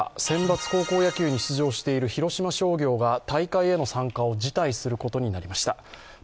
選抜高校野球に出場している広島商業が大会への参加を辞退することになりました。